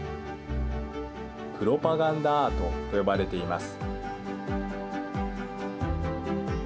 プロパガンダアートと呼ばれています。